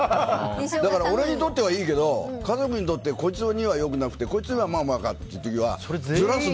俺にとってはいいけど家族にとってはこいつには良くなくてこいつにはまあまあかっていう時はずらすの。